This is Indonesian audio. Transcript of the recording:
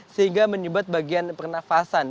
sehingga menyebabkan bagian pernafasan